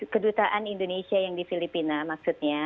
kedutaan indonesia yang di filipina maksudnya